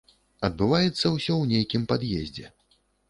Адбываецца ўсё ў нейкім пад'ездзе.